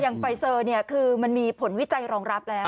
ไฟเซอร์เนี่ยคือมันมีผลวิจัยรองรับแล้ว